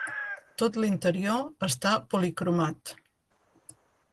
Tot l'interior està policromat.